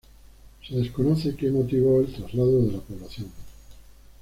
Se desconoce que motivó el traslado de la población.